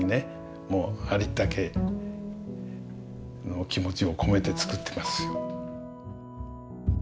もうありったけの気持ちを込めて作ってます。